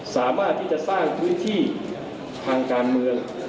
สามารถที่จะสร้างพื้นที่ทางการเมือง